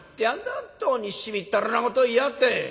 本当にしみったれなことを言いやがって！